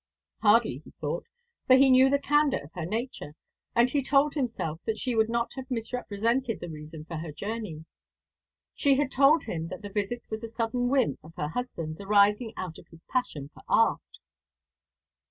Hardly, he thought, for he knew the candour of her nature, and he told himself that she would not have misrepresented the reason of her journey. She had told him that the visit was a sudden whim of her husband's, arising out of his passion for art.